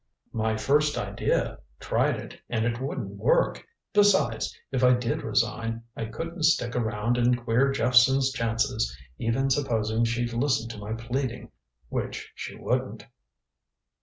"My first idea. Tried it, and it wouldn't work. Besides, if I did resign, I couldn't stick around and queer Jephson's chances even supposing she'd listen to my pleading, which she wouldn't."